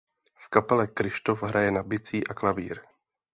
V kapele Kryštof hraje na bicí a klavír.